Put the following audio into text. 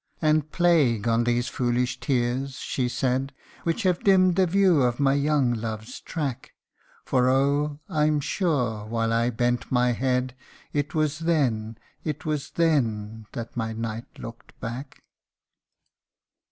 And " plague on these foolish tears," she said, " Which have dimm'd the view of my young love's track ; For oh ! I am sure, while I bent my head, It was then it was then that my knight look'd back." 2G4 THE FAITHLESS KNIGHT.